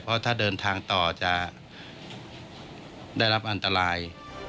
เพราะถ้าเดินทางต่อจะได้รับอันตราย